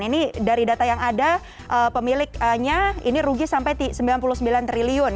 ini dari data yang ada pemiliknya ini rugi sampai sembilan puluh sembilan triliun